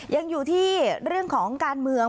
ยังอยู่ที่เรื่องของการเมือง